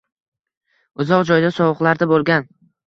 Uzoq joyda, sovuqlarda bo‘lgan.